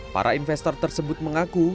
para investor tersebut mengaku